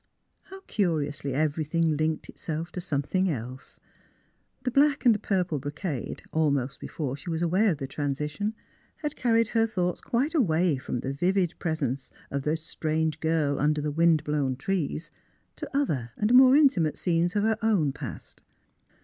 How curiously everything linked itself to some thing else ! The black and purple brocade, almost before she was aware of the transition, had car ried her thoughts quite away from the vivid pres ence of the strange girl under the wind blown trees to other and more intimate scenes of her own past.